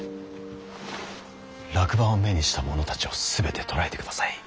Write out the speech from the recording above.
落馬を目にした者たちを全て捕らえてください。